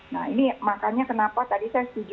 nah ini makanya kenapa tadi saya setuju